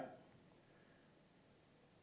pemilihan gubernur jakarta